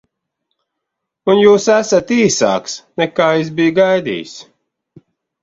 Un jūs esat īsāks, nekā es biju gaidījis.